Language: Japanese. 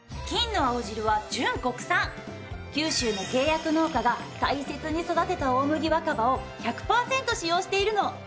九州の契約農家が大切に育てた大麦若葉を１００パーセント使用しているの！